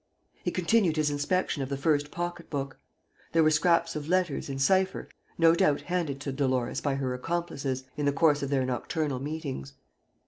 He continued his inspection of the first pocket book. There were scraps of letters, in cipher, no doubt handed to Dolores by her accomplices, in the course of their nocturnal meetings.